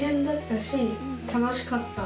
楽しかった。